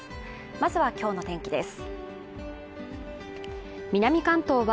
まずはきょうの天気です